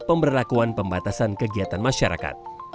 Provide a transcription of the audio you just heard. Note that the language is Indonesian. pemberlakuan pembatasan kegiatan masyarakat